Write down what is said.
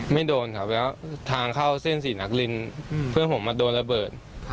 โดนครับแล้วทางเข้าเส้นศรีนักรินเพื่อนผมมาโดนระเบิด